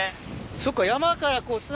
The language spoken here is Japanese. そっか。